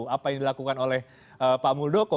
apa yang dilakukan oleh pak muldoko